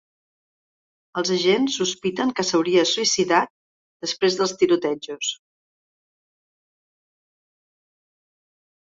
Els agents sospiten que s’hauria suïcidat després dels tirotejos.